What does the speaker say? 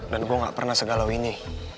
dan gue gak pernah segalau ini